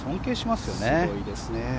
すごいですね。